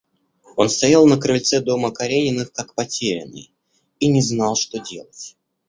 Он стоял на крыльце дома Карениных, как потерянный, и не знал, что делать.